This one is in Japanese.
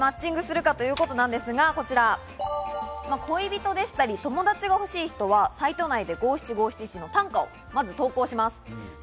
どのようにマッチングするかということですが、こちら、恋人でしたり、友達が欲しい人はサイト内で五七五七七の短歌をまず投稿します。